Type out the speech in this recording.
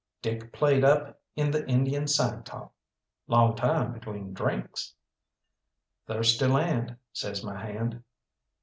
Dick played up in the Indian sign talk: "Long time between drinks." "Thirsty land," says my hand.